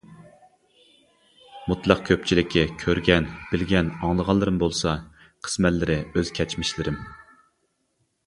مۇتلەق كۆپچىلىكى كۆرگەن، بىلگەن، ئاڭلىغانلىرىم بولسا، قىسمەنلىرى ئۆز كەچمىشلىرىم.